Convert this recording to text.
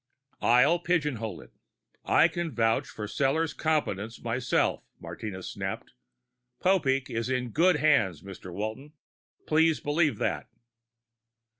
"I'll pigeonhole it. I can vouch for Sellors' competence myself," Martinez snapped. "Popeek is in good hands, Mr. Walton. Please believe that."